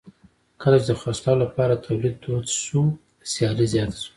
کله چې د خرڅلاو لپاره تولید دود شو سیالي زیاته شوه.